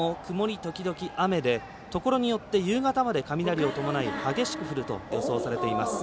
時々雨でところによって夕方まで雷を伴い激しく雨が降ると予想されています。